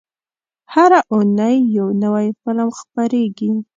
هره اونۍ یو نوی فلم خپرېږي.